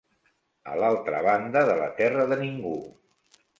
A l'altra banda de la terra de ningú